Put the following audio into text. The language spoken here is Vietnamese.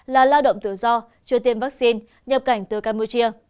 là lao động tự do chưa tiêm vaccine nhập cảnh từ campuchia